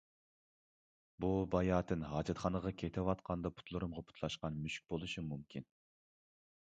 بۇ باياتىن ھاجەتخانىغا كېتىۋاتقاندا پۇتلىرىمغا پۇتلاشقان مۈشۈك بولۇشى مۇمكىن.